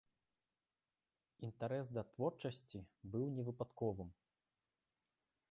Інтарэс да творчасці быў не выпадковым.